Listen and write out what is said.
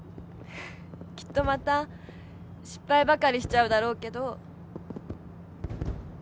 きっとまた失敗ばかりしちゃうだろうけど。